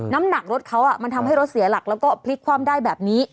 น้ำหนักรถเขามันทำให้รถเสียหลักแล้วก็พลิกคว่ำได้แบบนี้